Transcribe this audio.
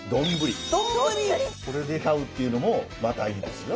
これで飼うっていうのもまたいいですよ。